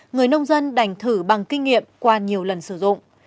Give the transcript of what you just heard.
người nông dân đành thử bằng kinh nghiệm qua nhiều lần sử dụng